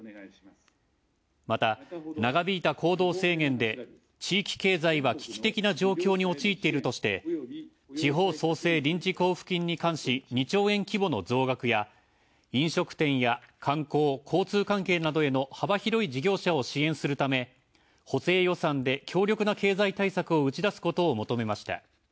また、長引いた行動制限で「地域経済は危機的な状況に陥っている」として、地方創生臨時交付金に関し２兆円規模の増額や飲食店や観光・交通関係などへの幅広い事業者を支援するため、補正予算で強力な経済対策を打ち出すことを求めました。